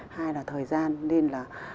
hay là thời gian nên là